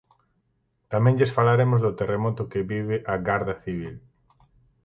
Tamén lles falaremos do terremoto que vive a Garda Civil.